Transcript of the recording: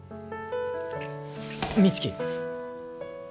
美月